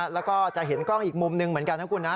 แล้วก็จะเห็นกล้องอีกมุมหนึ่งเหมือนกันนะคุณนะ